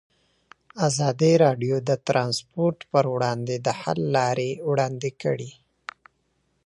ازادي راډیو د ترانسپورټ پر وړاندې د حل لارې وړاندې کړي.